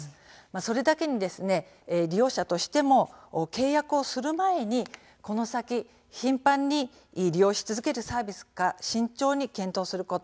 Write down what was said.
それだけに利用者としても契約をする前にこの先、頻繁に利用し続けるサービスか慎重に検討すること。